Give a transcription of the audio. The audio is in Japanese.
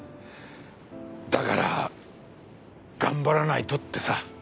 だから頑張らないとってさ。